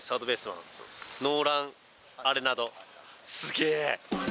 すげえ！